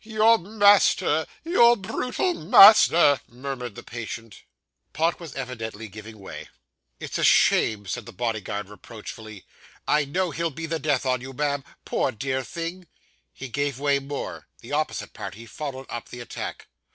'Your master your brutal master,' murmured the patient. Pott was evidently giving way. 'It's a shame,' said the bodyguard reproachfully. 'I know he'll be the death on you, ma'am. Poor dear thing!' He gave way more. The opposite party followed up the attack.